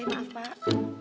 eh maaf pak